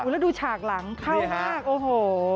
แล้วดูฉากหลังเข้ามากโอ้โห